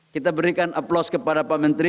kita berikan aplaus kepada pak menteri